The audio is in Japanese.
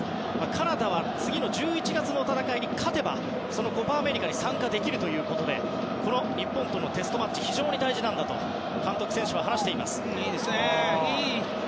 カナダは次の１１月の戦いに勝てばそのコパ・アメリカに参加できるということでこの日本とのテストマッチは非常に大事なんだと監督、選手は話しています。